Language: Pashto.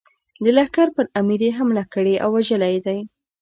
د لښکر پر امیر یې حمله کړې او وژلی دی.